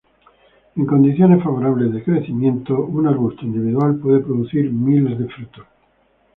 En condiciones favorables de crecimiento, un arbusto individual puede producir miles de frutos.